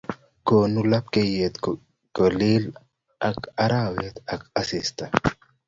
Konu lapkeiyet kogelik ak arawet ak asista